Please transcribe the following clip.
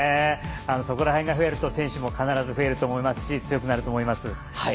そこらへんが増えると選手も必ず増えると思いますし強くなると思います。